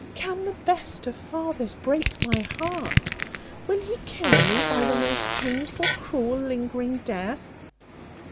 Can the best of fathers break my heart? Will he kill me by the most painful, cruel, lingering death?"